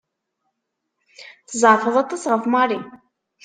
Tzeɛfeḍ aṭas ɣef Mary.